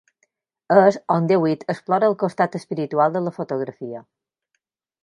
És on Dewitt explora el costat espiritual de la fotografia.